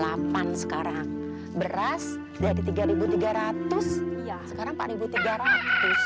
dua lapan sekarang beras dari tiga ribu tiga ratus sekarang empat ribu tiga ratus